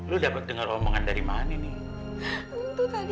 lo dapat denger omongan dari pendek mm documentary